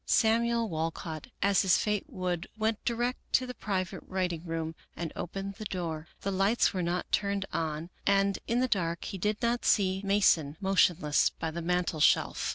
Samuel Walcott, as his fate would, went direct to the private writing room and opened the door. The lights were not turned on and in the dark he did not see Mason motion less by the mantel shelf.